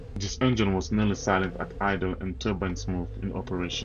This engine was nearly silent at idle and turbine-smooth in operation.